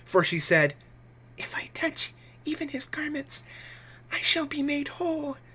(28)For she said: If I touch even his garments, I shall be made whole.